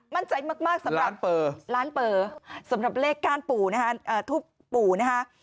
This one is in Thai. มั่นใจมากสำหรับล้านเปอร์สำหรับเลขก้านปู่นะฮะทูปปู่นะคะ